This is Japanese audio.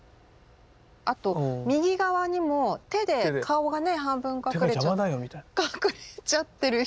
あと右側にも手で顔がね半分隠れちゃってる人も。